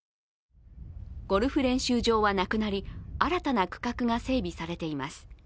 ゴルフ練習場はなくなり新たな区画が整備されています。